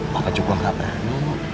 bapak juga gak berani